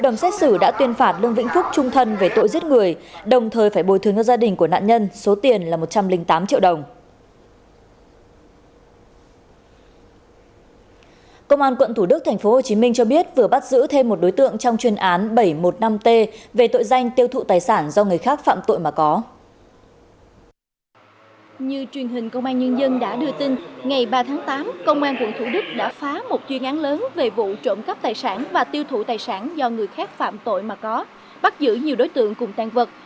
ngày ba tháng tám công an quận thủ đức đã phá một chuyên án lớn về vụ trộm cắp tài sản và tiêu thụ tài sản do người khác phạm tội mà có bắt giữ nhiều đối tượng cùng tàn vật